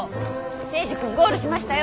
征二君ゴールしましたよ。